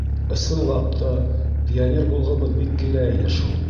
Ысынлап та, пионер булғыбыҙ бик килә ине шул.